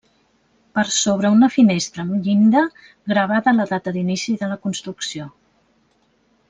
Per sobre una finestra amb llinda gravada la data d'inici de la construcció.